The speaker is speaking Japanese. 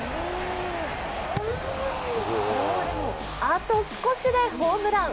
あと少しでホームラン。